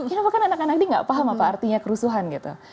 ini bukan anak anak ini gak paham apa artinya kerusuhan